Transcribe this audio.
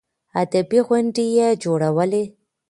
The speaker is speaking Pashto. ادبي غونډې يې جوړولې.